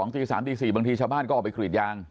ตี๓ตี๔บางทีชาวบ้านก็ออกไปกรีดยาง